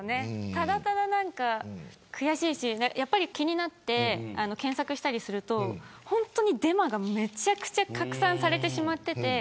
ただただ、悔しいしやっぱり気になって検索したりすると本当にデマがめちゃくちゃ拡散されていて。